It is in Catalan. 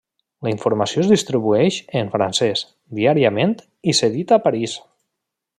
La informació es distribueix en francès, diàriament i s'edita a París.